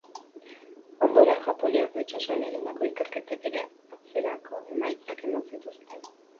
Ondoren Japoniako itsasoan egindako ikerketek ere antzerako emaitzak eman zituzten.